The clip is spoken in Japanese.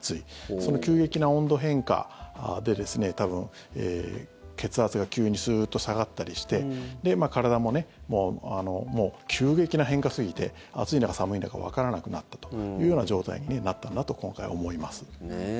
その急激な温度変化で多分、血圧が急にスーッと下がったりして体も急激な変化すぎて暑いんだか寒いんだかわからなくなったというような状態になったんだと今回、思います。